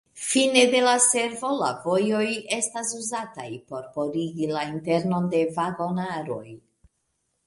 Fine de la servo, la vojoj estas uzataj por purigi la internon de vagonaroj.